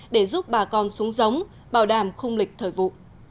để giúp bà con xuống giống bảo đảm khung lịch thời vụ